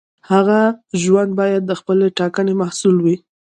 د هغه ژوند باید د خپلې ټاکنې محصول وي.